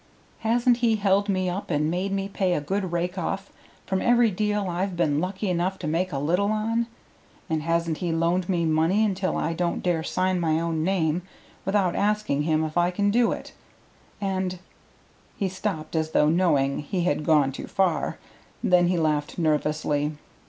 Hasn't he held me up and made me pay a good rake off from every deal I've been lucky enough to make a little on? And hasn't he loaned me money until I don't dare sign my own name without asking him if I can do it, and " He stopped as though knowing he had gone too far; then he laughed nervously.